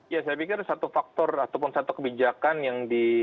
ya saya pikir satu faktor ataupun satu kebijakan yang di